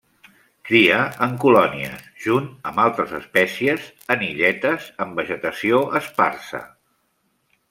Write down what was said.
Cria en colònies -junt amb altres espècies- en illetes amb vegetació esparsa.